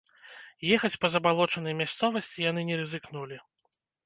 Ехаць па забалочанай мясцовасці яны не рызыкнулі.